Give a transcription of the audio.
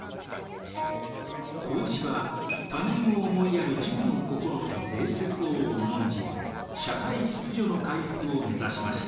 孔子は他人を思いやる仁の心と礼節を重んじ社会秩序の回復を目指しました。